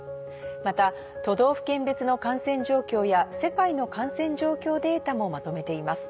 また都道府県別の感染状況や世界の感染状況データもまとめています。